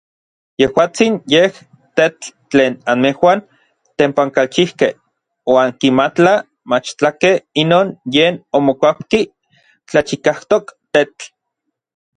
Yejuatsin yej n tetl tlen anmejuan tepankalchijkej oankimatla machtlakej inon yen omokuapki tlachikajtok tetl.